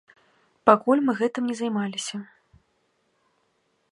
Пакуль мы гэтым не займаліся.